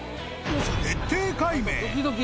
徹底解明。